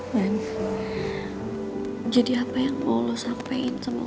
lan jadi apa yang mau lo sampaikan sama gue